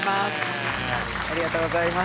ありがとうございます。